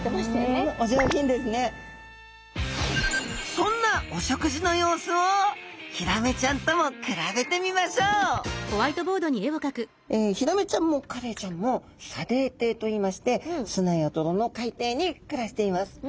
そんなお食事の様子をヒラメちゃんとも比べてみましょうヒラメちゃんもカレイちゃんも砂泥底といいまして砂や泥の海底に暮らしています。